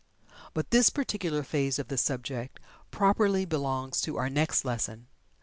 But this particular phase of the subject, properly belongs to our next lesson.